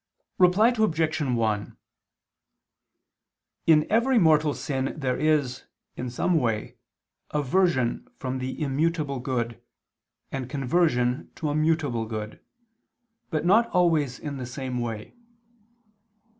Reply Obj. 1: In every mortal sin there is, in some way, aversion from the immutable good, and conversion to a mutable good, but not always in the same way.